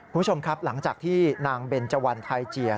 คุณผู้ชมครับหลังจากที่นางเบนเจวันไทยเจีย